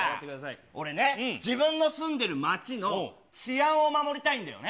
俺ね、自分の住んでる街の治安を守りたいんだよね。